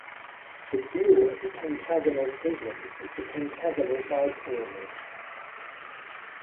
The dual of a pentagonal prism is a pentagonal bipyramid.